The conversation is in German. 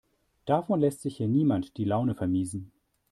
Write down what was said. Davon lässt sich hier niemand die Laune vermiesen.